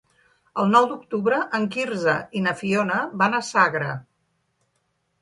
El nou d'octubre en Quirze i na Fiona van a Sagra.